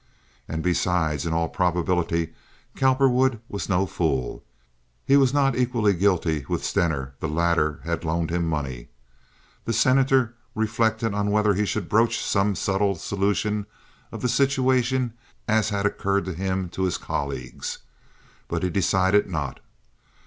And besides, in all probability Cowperwood was no fool. He was not equally guilty with Stener; the latter had loaned him money. The Senator reflected on whether he should broach some such subtle solution of the situation as had occurred to him to his colleagues, but he decided not.